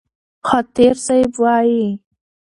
خاطر صاحب وايي: